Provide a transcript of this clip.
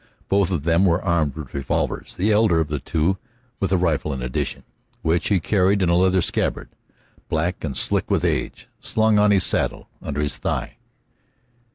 Both of them were armed with revolvers, the elder of the two with a rifle in addition, which he carried in a leather scabbard black and slick with age, slung on his saddle under his thigh.